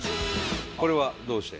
これはどうして？